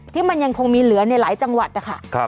ที่มันยังคงมีเหลือในหลายจังหวัดนะคะ